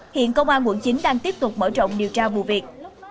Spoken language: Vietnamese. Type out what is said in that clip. hiện công an quận chín đang tiếp tục mở rộng điều tra vụ việc